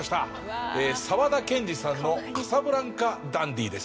沢田研二さんの『カサブランカ・ダンディ』です。